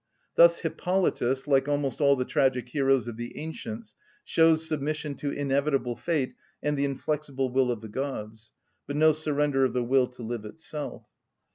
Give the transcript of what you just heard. Thus Hippolytus, like almost all the tragic heroes of the ancients, shows submission to inevitable fate and the inflexible will of the gods, but no surrender of the will to live itself.